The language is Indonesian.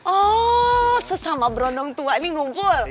oh sesama berondong tua ini ngumpul